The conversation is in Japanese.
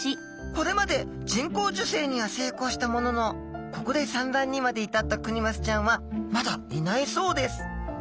これまで人工授精には成功したもののここで産卵にまで至ったクニマスちゃんはまだいないそうです。